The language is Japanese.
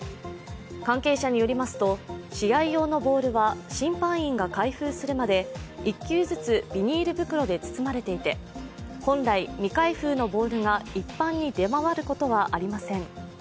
関係者によりますと、試合用のボールは審判員が開封するまで１球ずつビニール袋で包まれていて本来、未開封のボールが一般に出回ることはありません。